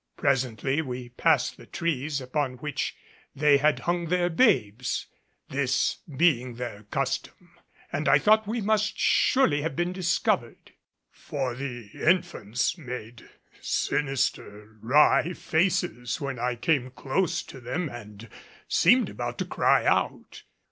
Presently we passed the trees upon which they had hung their babes, this being their custom, and I thought we must surely have been discovered, for the infants made sinister, wry faces when I came close to them and seemed about to cry out.